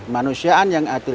manusiaan yang adil